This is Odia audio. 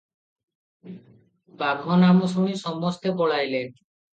ବାଘ ନାମ ଶୁଣି ସମସ୍ତେ ପଳାଇଲେ ।